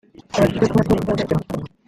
Abajijwe aho yakuye imbaraga zo gutoroka